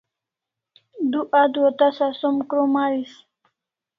Du adua tasa som krom aris